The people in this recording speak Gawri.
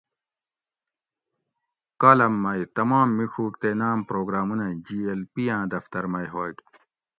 کالم مئ تمام میڄوک تے ناۤم پروگرامونہ جی ایل پی آں دفتر مئ ھوگ